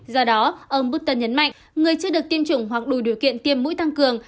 do đó ông busta nhấn mạnh người chưa được tiêm chủng hoặc đủ điều kiện tiêm mũi tăng cường